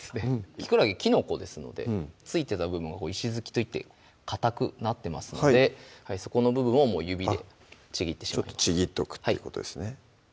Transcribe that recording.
きくらげきのこですので付いてた部分は石突きといってかたくなってますのでそこの部分を指でちぎってちぎっとくということですね